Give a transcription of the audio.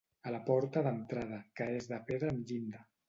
A la porta d'entrada, que és de pedra amb llinda.